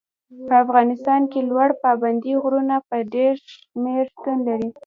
په افغانستان کې لوړ پابندي غرونه په ډېر شمېر شتون لري.